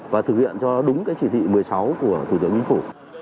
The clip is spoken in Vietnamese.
và thực hiện cho đúng cái chỉ thị một mươi sáu của thủ tướng chính phủ